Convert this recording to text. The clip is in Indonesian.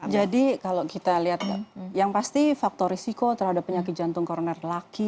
jadi kalau kita lihat yang pasti faktor risiko terhadap penyakit jantung koroner laki